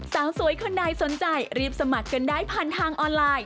สาวสวยคนใดสนใจรีบสมัครกันได้ผ่านทางออนไลน์